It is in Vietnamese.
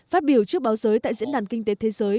phát biểu trước báo giới tại diễn đàn kinh tế thế giới